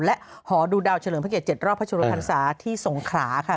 และหอดูดาวเฉลิมพระเกียรติ๗รอบพระชมพันธุ์ศาสตร์ที่สงขราค่ะ